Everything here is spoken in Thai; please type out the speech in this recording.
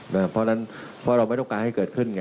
เพราะฉะนั้นเพราะเราไม่ต้องการให้เกิดขึ้นไง